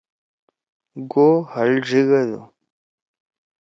گو ہل ڙیِگَدُو۔